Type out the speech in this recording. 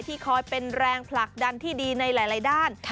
คอยเป็นแรงผลักดันที่ดีในหลายด้าน